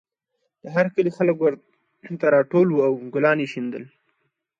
د هر کلي خلک ورته راټول وو او ګلان یې شیندل